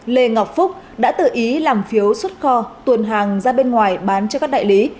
lê ngọc phúc đã tự ý làm phiếu xuất kho tuần hàng ra bên ngoài bán cho các đại lý